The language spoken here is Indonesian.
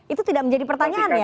itu tidak menjadi pertanyaan ya